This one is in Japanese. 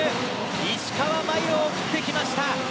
石川真佑を送ってきました。